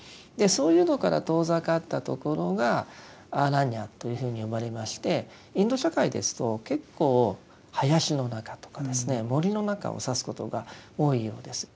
そういうのから遠ざかったところがアーラニヤというふうに呼ばれましてインド社会ですと結構林の中とかですね森の中を指すことが多いようです。